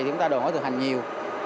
thì chúng ta đòi hỏi thực hành nhiều